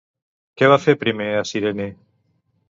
Què va fer primer a Cirene?